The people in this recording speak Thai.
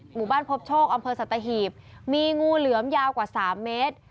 หมู่บ้านพบโชคอำเภอสัตหีบมีงูเหลือมยาวกว่า๓เมตร